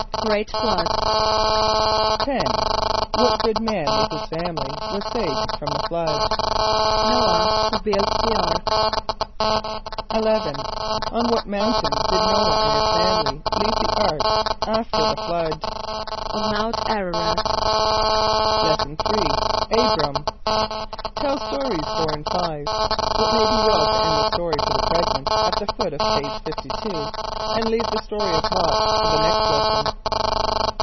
=A great flood.= =10.= What good man with his family was saved from the flood? =N[=o]´ah who built the Ark.= =11.= On what mountain did N[=o]´ah and his family leave the ark after the flood? =On Mount Âr´a r[)a]t.= Lesson III. Abram. (Tell Stories 4 and 5. It might be well to end the story, for the present, at the foot of page 52, and leave the story of Lot for the next lesson.)